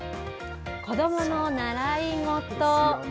子どもの習い事。